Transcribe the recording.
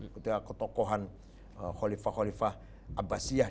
ketika ketokohan khalifah khalifah abbasiyah